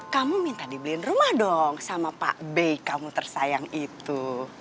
kamu minta dibeliin rumah dong sama pak b kamu tersayang itu